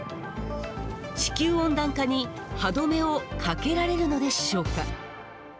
地球温暖化に歯止めをかけられるのでしょうか。